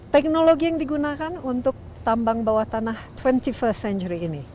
teknologi yang digunakan untuk tambang bawah tanah dua puluh satu st century ini